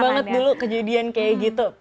banget dulu kejadian kayak gitu